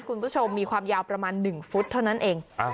คุณผู้ชมมีความยาวประมาณ๑ฟุตเท่านั้นเอง